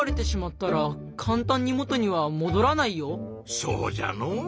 そうじゃの。